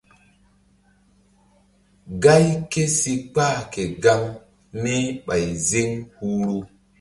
Gáy ké si kpah ke gaŋ mí ɓay ziŋ huhru.